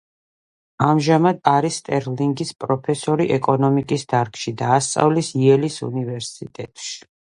ამჟამად არის სტერლინგის პროფესორი ეკონომიკის დარგში და ასწავლის იელის უნივერსიტეტში.